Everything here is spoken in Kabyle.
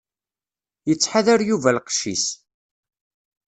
Yettḥadar Yuba lqecc-is.